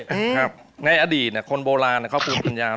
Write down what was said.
ครับในอดีตคนโบราณเขาภูมิปัญญา